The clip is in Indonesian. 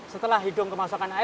setelah hidung kemasukan air